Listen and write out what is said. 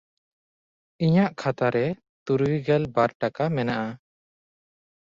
ᱤᱧᱟᱜ ᱠᱷᱟᱛᱟ ᱨᱮ ᱛᱩᱨᱩᱭᱜᱮᱞ ᱵᱟᱨ ᱴᱟᱠᱟ ᱢᱮᱱᱟᱜᱼᱟ᱾